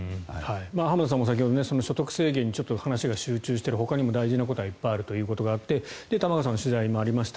浜田さんも先ほど所得制限に話が集中しているほかにも大事なことはいっぱいあるということもあって玉川さんの取材にもありました